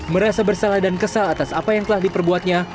merasa bersalah dan kesal atas apa yang telah diperbuatnya